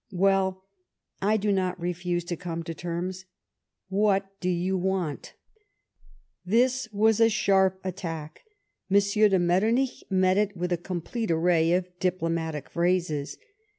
Well ! I do not refuse to come to terms. What do you want?" This was a sharp attack. M. de Metternich met it with a complete array of diplomatic phrases.